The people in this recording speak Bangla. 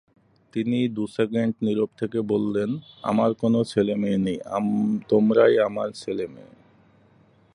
তিনি দু-সেকেন্ড নীরব থেকে বললেন, 'আমার কোনো ছেলেমেয়ে নেই, তোমরা-ই আমার ছেলেমেয়ে।'